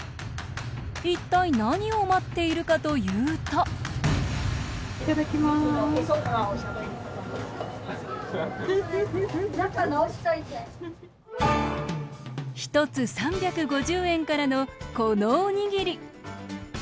一体、何を待っているかというと１つ３５０円からのこのおにぎり。